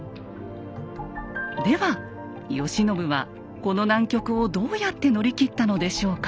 では慶喜はこの難局をどうやって乗り切ったのでしょうか。